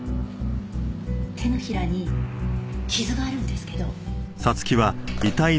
手のひらに傷があるんですけど。